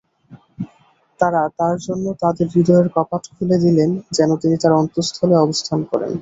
তারা তাঁর জন্য তাঁদের হৃদয়ের কপাট খুলে দিলেন যেন তিনি তার অন্তঃস্থলে অবস্থান করেন।